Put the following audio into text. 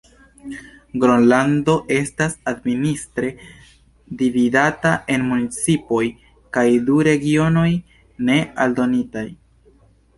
Gronlando estas administre dividata en municipoj kaj du regionoj ne aldonitaj.